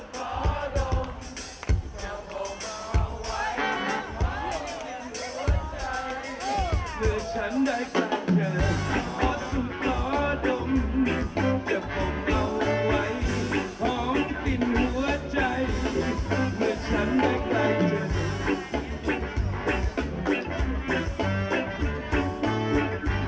เพื่อฉันได้ใกล้เจอเพราะสุขดมจะผมเอาไว้พร้อมกินหัวใจ